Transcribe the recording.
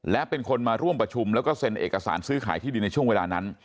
และเป็นคนมาร่วมประชุมแล้วก็เซ็นเอกสารซื้อขายที่ดินในช่วงเวลานั้น